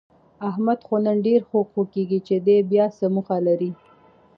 احمد خو نن ډېر خوږ خوږ کېږي، چې دی بیاڅه موخه لري؟